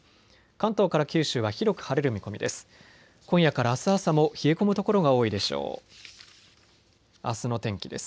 関東から九州は広く晴れる見込みです。